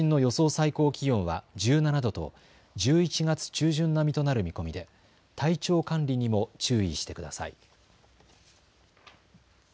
最高気温は１７度と１１月中旬並みとなる見込みで体調管理にも注意してください。